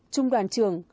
trung đoàn trưởng